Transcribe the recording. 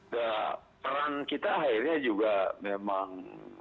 nah peran kita akhirnya juga memang